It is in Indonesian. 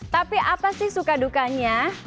tapi apa sih suka dukanya